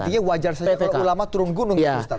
intinya wajar saja kalau ulama turun gunung